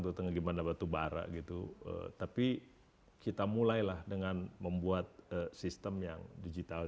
terutama gimana batu bara gitu tapi kita mulailah dengan membuat sistem yang digital